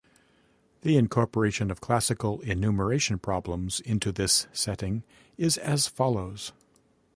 The incorporation of classical enumeration problems into this setting is as follows.